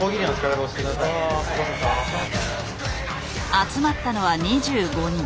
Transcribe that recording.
集まったのは２５人。